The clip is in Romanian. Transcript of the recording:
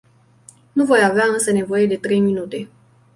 Nu voi avea însă nevoie de trei minute.